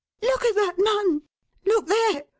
Look at that man ! Look there !